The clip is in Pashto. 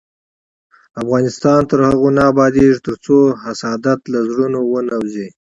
افغانستان تر هغو نه ابادیږي، ترڅو حسادت له زړونو ونه وځي.